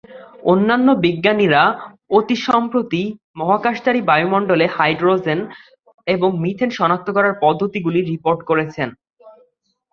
অন্যান্য বিজ্ঞানীরা অতি সম্প্রতি মহাকাশচারী বায়ুমণ্ডলে হাইড্রোজেন এবং মিথেন শনাক্ত করার পদ্ধতিগুলি রিপোর্ট করেছেন।